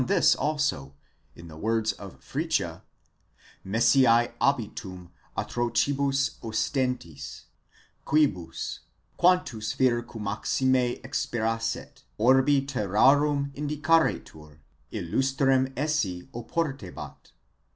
this also in the words of Fritzsche: Messie obitum atrocibus ostentis, quibus, quantus vir quummaxime exspirdsset, orbi terrarum indicaretur, illustrem 6555 oportebat.)